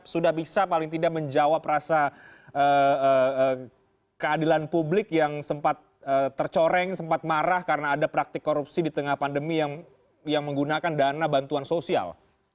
sudah bisa paling tidak menjawab rasa keadilan publik yang sempat tercoreng sempat marah karena ada praktik korupsi di tengah pandemi yang menggunakan dana bantuan sosial